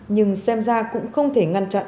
nhưng xem ra cũng không thể ngăn chặn